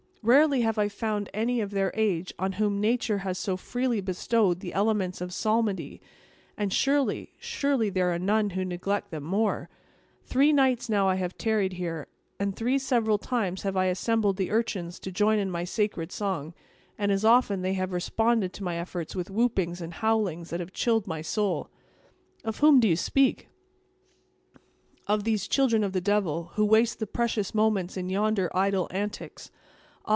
Rarely have I found any of their age, on whom nature has so freely bestowed the elements of psalmody; and surely, surely, there are none who neglect them more. Three nights have I now tarried here, and three several times have I assembled the urchins to join in sacred song; and as often have they responded to my efforts with whoopings and howlings that have chilled my soul!" "Of whom speak you?" "Of those children of the devil, who waste the precious moments in yonder idle antics. Ah!